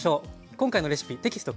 今回のレシピテキスト